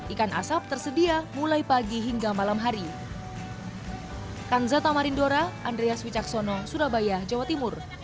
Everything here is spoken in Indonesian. ikan asap tersedia mulai pagi hingga malam hari